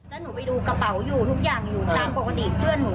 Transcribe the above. แล้วหนูไปดูกระเป๋าอยู่ทุกอย่างอยู่ตามปกติเพื่อนหนู